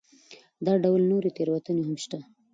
دا ډول نورې تېروتنې هم شته.